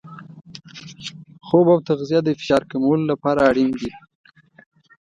خوب او تغذیه د فشار کمولو لپاره اړین دي.